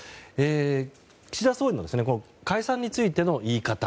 岸田総理のこの解散についての言い方